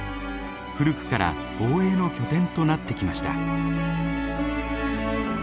古くから防衛の拠点となってきました。